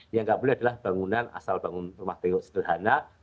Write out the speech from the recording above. yang tidak boleh adalah bangunan asal bangun rumah tengok sederhana